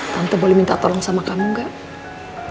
tante boleh minta tolong sama kamu gak